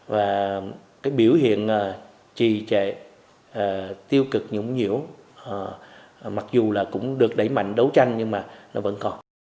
và cái biểu hiện trì trệ tiêu cực nhũng nhiễu mặc dù là cũng được đẩy mạnh đấu tranh nhưng mà nó vẫn còn